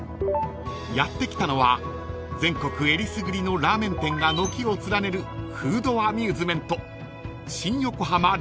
［やって来たのは全国えりすぐりのラーメン店が軒を連ねるフードアミューズメント新横浜ラーメン博物館］